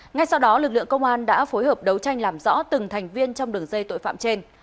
ngay sau đó lực lượng công an đã phối hợp đấu tranh làm rõ từng thành viên trong đường dây tội phạm trên